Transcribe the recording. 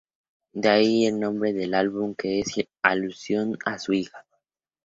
De ahí el nombre del álbum, que es una alusión a su hija.